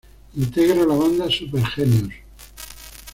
Integra la banda Super Genius.